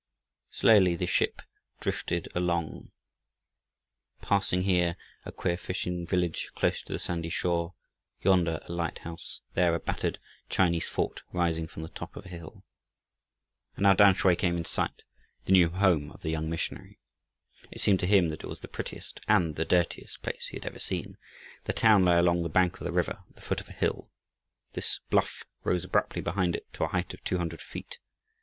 Slowly the ship drifted along, passing, here a queer fishing village close to the sandy shore, yonder a light house, there a battered Chinese fort rising from the top of a hill. And now Tamsui came in sight the new home of the young missionary. It seemed to him that it was the prettiest and the dirtiest place he had ever seen. The town lay along the bank of the river at the foot of a hill. This bluff rose abruptly behind it to a height of two hundred feet.